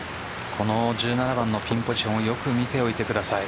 この１７番のピンポジションをよく見ておいてください。